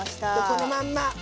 このまんま。